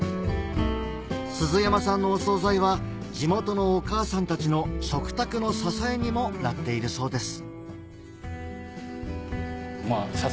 鈴山さんのお総菜は地元のお母さんたちの食卓の支えにもなっているそうです